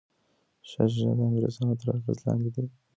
شاه شجاع د انګریزانو تر اغیز لاندې دی.